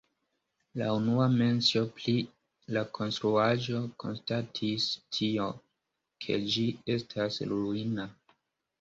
La unua mencio pri la konstruaĵo konstatis tion, ke ĝi estas ruina.